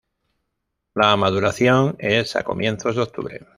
La maduración es a comienzos de octubre.